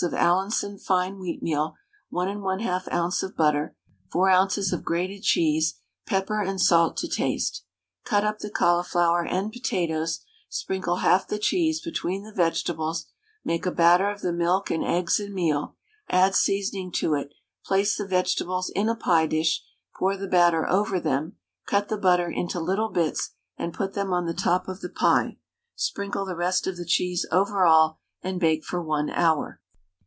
of Allinson fine wheatmeal, 1 1/2 oz. of butter, 4 oz. of grated cheese, pepper and salt to taste. Cut up the cauliflower and potatoes, sprinkle half the cheese between the vegetables, make a batter of the milk and eggs and meal, add seasoning to it, place the vegetables in a pie dish, pour the batter over them, cut the butter into little bits and put them on the top of the pie, sprinkle the rest of the cheese over all, and bake for 1 hour.